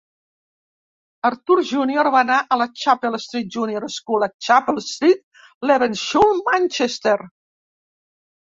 Arthur Junior va anar a la Chapel Street Junior School a Chapel Street, Levenshulme, Manchester.